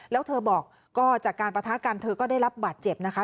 แล้วเธอบอกก็จากการประทะกันเธอก็ได้รับบาดเจ็บนะคะ